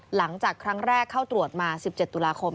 หลังจากครั้งแรกเข้าตรวจมา๑๗ตุลาคม